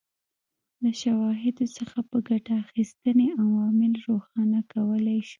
له شواهدو څخه په ګټې اخیستنې عوامل روښانه کولای شو.